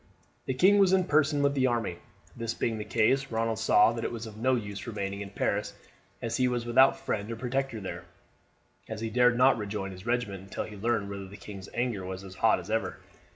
The king was in person with the army. This being the case Ronald saw that it was of no use remaining in Paris, as he was without friend or protector there, and he dared not rejoin his regiment until he learned whether the king's anger was as hot as ever.